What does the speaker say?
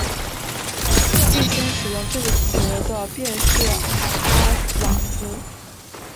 率先使用这个词的便是哈瓦斯。